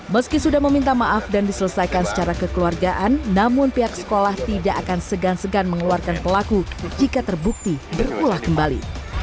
meski sudah meminta maaf dan diselesaikan secara kekeluargaan namun pihak sekolah tidak akan segan segan mengeluarkan pelaku jika terbukti berulah kembali